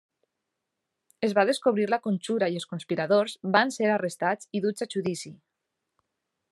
Es va descobrir la conjura i els conspiradors van ser arrestats i duts a judici.